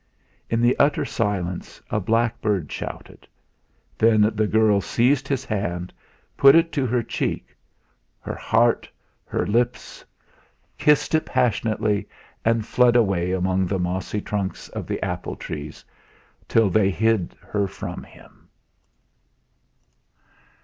In the utter silence a blackbird shouted. Then the girl seized his hand, put it to her cheek, her heart, her lips, kissed it passionately, and fled away among the mossy trunks of the apple trees, till they hid her from him.